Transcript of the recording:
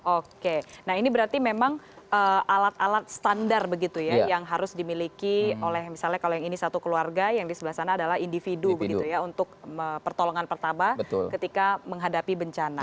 oke nah ini berarti memang alat alat standar begitu ya yang harus dimiliki oleh misalnya kalau yang ini satu keluarga yang di sebelah sana adalah individu begitu ya untuk pertolongan pertama ketika menghadapi bencana